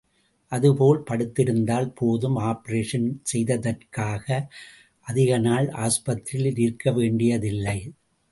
அது போல் படுத்திருந்தால் போதும், ஆப்பரேஷன் செய்ததற்காக அதிக நாள் ஆஸ்பத்திரியில் இருக்கவேண்டியதில்லை.